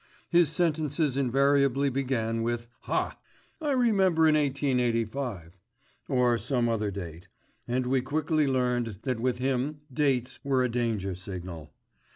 His sentences invariably began with "Haaa! I remember in 1885," or some other date, and we quickly learned that with him dates were a danger signal.